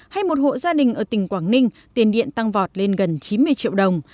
hay một hộ gia đình ở tỉnh quảng ninh tiền điện tăng vọt lên gần chín mươi triệu đồng